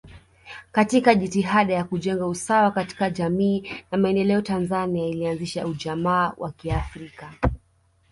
Katika jitihada ya kujenga usawa katika jamii na maendeleo Tanzania ilianzisha ujamaa wa kiafrika